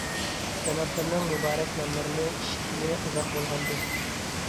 جانابلىرىنىڭ مۇبارەك ناملىرىنى ئىشىتكىلى ئۇزاق بولغانىدى.